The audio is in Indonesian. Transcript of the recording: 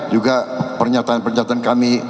juga pernyataan pernyataan kami